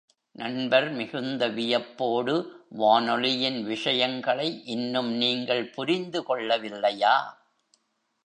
நண்பர் மிகுந்த வியப்போடு, வானொலியின் விஷயங்களை இன்னும் நீங்கள் புரிந்து கொள்ள வில்லையா?